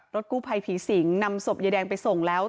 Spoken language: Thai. กู้ภัยผีสิงนำศพยายแดงไปส่งแล้ว